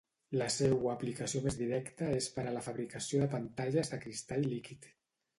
La seua aplicació més directa és per a la fabricació de pantalles de cristall líquid.